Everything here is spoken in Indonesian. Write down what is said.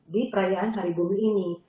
di perayaan hari bumi ini